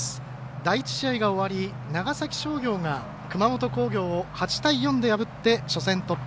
第１試合が終わり長崎商業が熊本工業を８対４で破って初戦突破。